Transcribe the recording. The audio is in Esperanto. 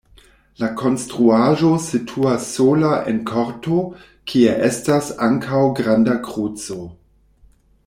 La konstruaĵo situas sola en korto, kie estas ankaŭ granda kruco.